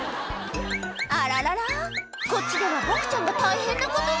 あららら、こっちでは僕ちゃんが大変なことに。